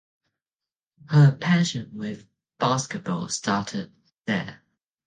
Her passion with basketball started there.